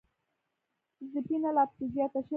ځپنه لاپسې زیاته شوې